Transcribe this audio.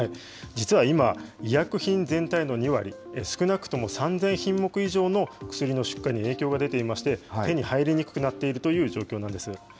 実は今、医薬品全体の２割、少なくとも３０００品目以上の薬の出荷に影響が出ていまして、手に入りにくくなっているという状況なんです。